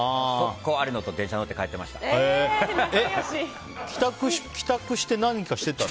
有野と電車乗って帰ってました。